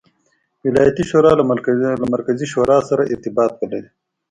ولایتي شورا له مرکزي شورا سره ارتباط ولري.